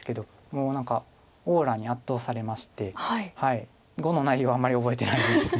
もう何かオーラに圧倒されまして碁の内容はあんまり覚えてないです。